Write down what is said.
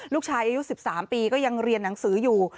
ลูกชายอายุ๑๓ปีก็ยังเรียนหนังสืออยู่